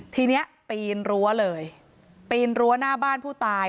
ทีนี้ปีนรั้วเลยปีนรั้วหน้าบ้านผู้ตาย